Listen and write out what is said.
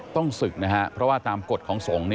ต้องศึกนะครับเพราะว่าตามกฎของสงฆ์